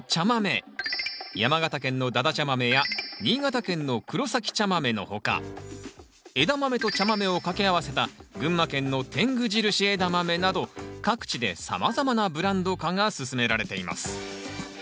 山形県のだだちゃ豆や新潟県の黒埼茶豆の他エダマメと茶豆をかけ合わせた群馬県の天狗印枝豆など各地でさまざまなブランド化が進められています。